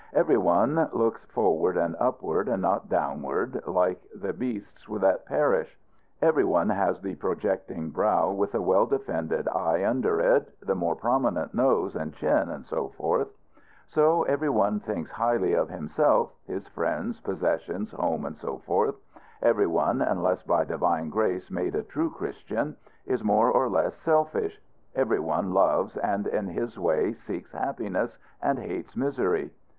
Every one looks forward and upward, and not downward like the beasts that perish. Every one has the projecting brow, with the well defended eye under it, the more prominent nose and chin, &c. So every one thinks highly of himself, his friends, possessions, home, &c. Every one, unless by divine grace made a true Christian, is more or less selfish. Every one loves, and, in his way, seeks happiness, and hates misery.